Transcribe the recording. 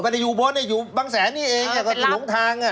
ไม่ได้อยู่อุบลอยู่บังแสนนี่เองอยู่หลวงทาง